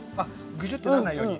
ぐじゅってなんないように？